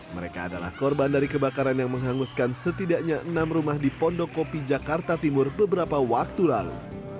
mereka adalah korban dari kebakaran yang menghanguskan setidaknya enam rumah di pondokopi jakarta timur beberapa waktu lalu